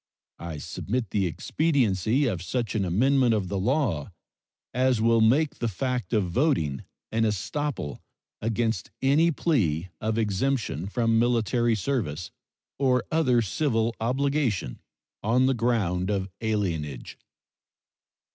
I submit the expediency of such an amendment of the law as will make the fact of voting an estoppel against any plea of exemption from military service or other civil obligation on the ground of alienage.